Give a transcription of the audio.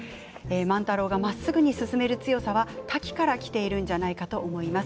万太郎がまっすぐに進める強さはタキからきているんじゃないかと思います。